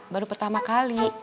baru pertama kali